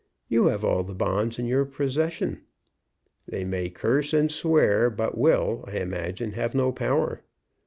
You have all the bonds in your possession. They may curse and swear, but will, I imagine, have no power.